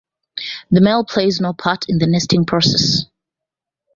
The male plays no part in the nesting process.